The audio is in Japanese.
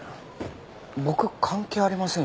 僕関係ありませんよね。